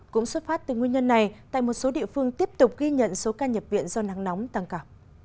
cũng xuất phát từ nguyên nhân này tại một số địa phương tiếp tục ghi nhận số ca nhập viện do nắng nóng tăng cả